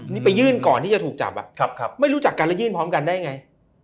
นี่ไปยื่นก่อนที่จะถูกจับไม่รู้จักกันแล้วยื่นพร้อมกันได้ไง